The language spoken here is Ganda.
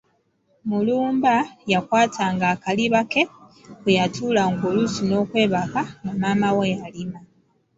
Mulumba yakwatanga akaliba ke kwe yatuulanga oluusi nookwebaka nga maama we alima.